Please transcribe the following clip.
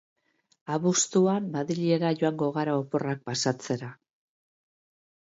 Abuztuan Madrilera joango gara oporrak pasatzera